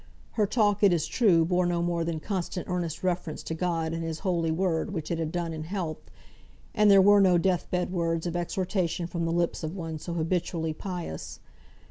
Her talk, it is true, bore no more that constant earnest reference to God and His holy Word which it had done in health, and there were no death bed words of exhortation from the lips of one so habitually pious.